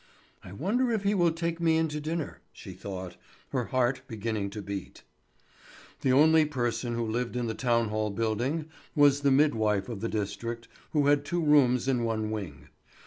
"I wonder if he will take me in to dinner!" she thought, her heart beginning to beat. The only person who lived in the town hall building was the midwife of the district, who had two rooms in one wing.